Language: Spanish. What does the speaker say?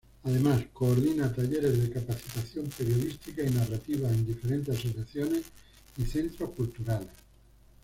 Además coordina talleres de capacitación periodística y narrativas en diferentes asociaciones y centros culturales.